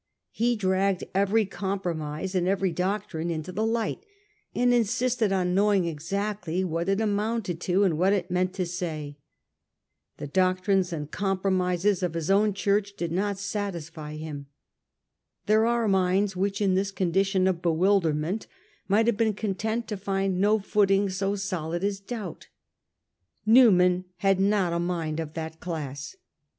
He dragged every compromise and every doctrine into the light, and insisted on knowing exactly what it amounted to and what it meant to say. The doc trines and compromises of his own Church did not satisfy him. There are minds which in this condi tion of bewilderment might have been content to find ' no footing so solid as doubt.' Newman had not a mind of that class.